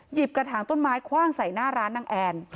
กระถางต้นไม้คว่างใส่หน้าร้านนางแอน